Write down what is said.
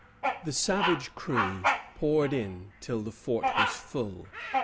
The savage crew poured in till the fort was full.